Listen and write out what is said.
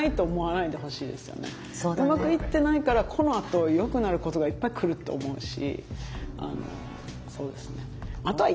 うまくいってないからこのあとよくなることがいっぱいくるって思うし。